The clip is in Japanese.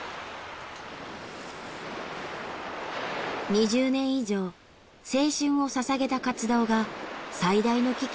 ２０年以上青春を捧げた活動が最大の危機を迎えました。